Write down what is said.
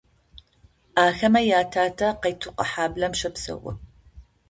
Ахэмэ ятатэ Къайтыкъо хьаблэм щэпсэу.